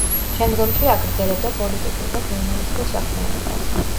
შემდგომში აგრძელებდა პოლიტიკურ და ჟურნალისტურ საქმიანობას.